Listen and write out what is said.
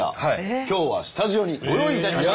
今日はスタジオにご用意いたしました！